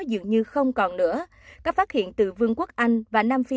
dường như không còn nữa có phát hiện từ vương quốc anh và nam phi